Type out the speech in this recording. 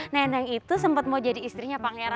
neneng itu sempat mau jadi istrinya panggilan elsa